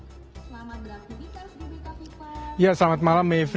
terima kasih selamat beraktivitas dwi kapipan